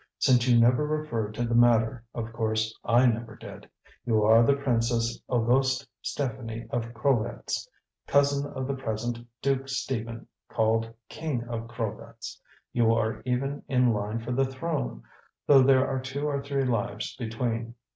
Since you never referred to the matter, of course I never did. You are the Princess Auguste Stephanie of Krolvetz, cousin of the present Duke Stephen, called King of Krolvetz. You are even in line for the throne, though there are two or three lives between.